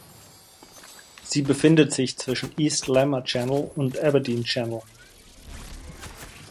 Sie befindet sich zwischen East Lamma Channel und Aberdeen Channel.